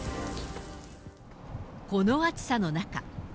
この暑さの中。